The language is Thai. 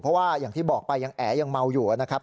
เพราะว่าอย่างที่บอกไปยังแอยังเมาอยู่นะครับ